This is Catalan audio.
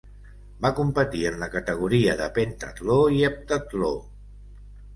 Va competir en la categoria de pentatló i heptatló.